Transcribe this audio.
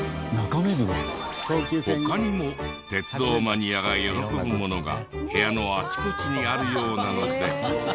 他にも鉄道マニアが喜ぶものが部屋のあちこちにあるようなので。